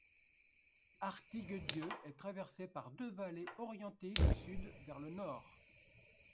Artiguedieu est traversée par deux vallées orientées du sud vers le nord.